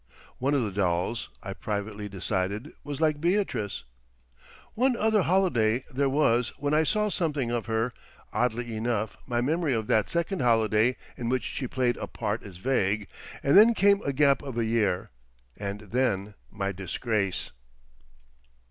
One of the dolls, I privately decided, was like Beatrice. One other holiday there was when I saw something of her—oddly enough my memory of that second holiday in which she played a part is vague—and then came a gap of a year, and then my disgrace.